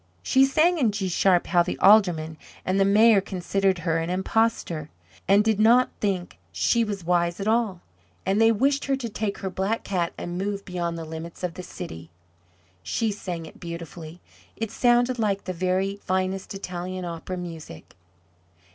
She sang in G sharp how the Aldermen and the Mayor considered her an impostor, and did not think she was wise at all, and they wished her to take her Black Cat and move beyond the limits of the city. She sang it beautifully; it sounded like the very finest Italian opera music.